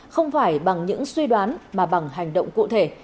không phải bằng những suy đoán mà bằng hành động cụ thể